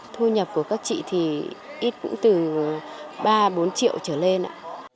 thu nhập của các chị thì ít cũng từ ba bốn triệu trở lên ạ